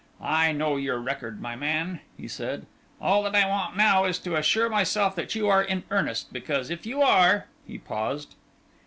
I know your record, my man," he said. "All that I want now is to assure myself that you are in earnest, because if you are " He paused.